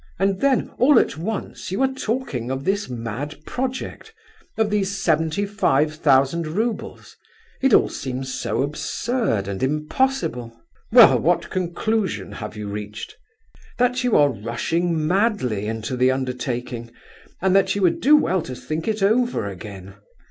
And then, all at once you are talking of this mad project—of these seventy five thousand roubles! It all seems so absurd and impossible." "Well, what conclusion have you reached?" "That you are rushing madly into the undertaking, and that you would do well to think it over again.